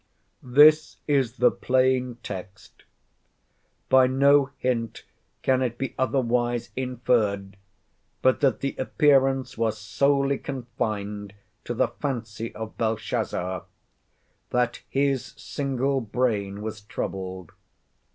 This is the plain text. By no hint can it be otherwise inferred, but that the appearance was solely confined to the fancy of Belshazzar, that his single brain was troubled.